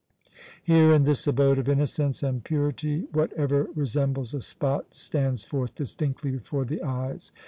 Here, in this abode of innocence and purity, whatever resembles a spot stands forth distinctly before the eyes.